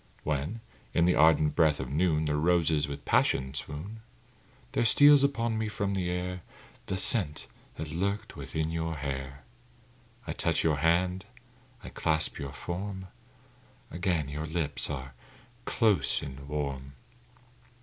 When, in the ardent breath of noon, The roses with passion swoon; There steals upon me from the air The scent that lurked within your hair; I touch your hand, I clasp your form Again your lips are close and warm.